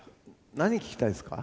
何聴きたいですか？